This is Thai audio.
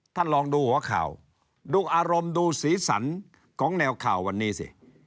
ท่านลองดูหัวข่าวดูอารมณ์ดูสีสันของแนวข่าววันนี้สิ